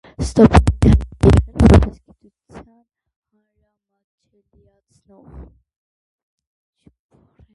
Ստոպպանին հայտնի է եղել որպես գիտության հանրամատչելիացնող։